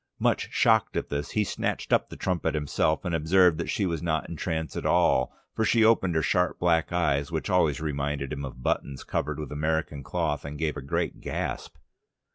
Much shocked at this, he snatched up the trumpet himself, and observed that she was not in trance at all, for she opened her sharp black eyes, which always reminded him of buttons covered with American cloth, and gave a great gasp.